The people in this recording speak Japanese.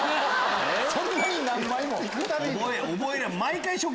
そんなに何枚も？